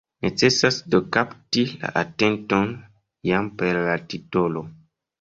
Necesas do kapti la atenton, jam per la titolo.